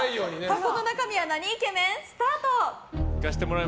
箱の中身はなにイケメン？スタート！